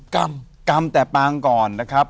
กรรมกรรมแต่ปางก่อนนะครับ